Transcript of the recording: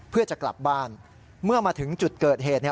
เพื่อจะกลับบ้านเมื่อมาถึงจุดเกิดเหตุเนี่ย